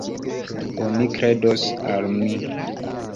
Oni kredos al mi.